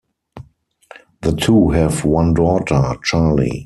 The two have one daughter, Charli.